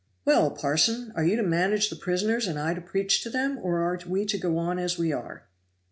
"Well, parson, are you to manage the prisoners and I to preach to them, or are we to go on as we are?"